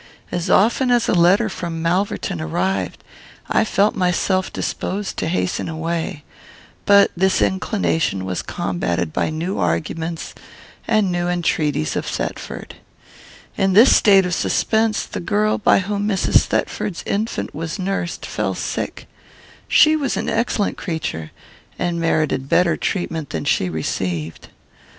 As often as a letter from Malverton arrived, I felt myself disposed to hasten away; but this inclination was combated by new arguments and new entreaties of Thetford. "In this state of suspense, the girl by whom Mrs. Thetford's infant was nursed fell sick. She was an excellent creature, and merited better treatment than she received.